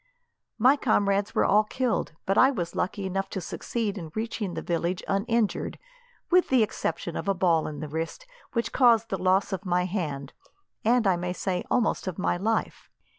My comrades were all killed, but I was lucky enough to succeed in reaching the village uninjured, with the exception of a ball in the wrist, which caused the loss of my hand, and, I may say, almost of my life.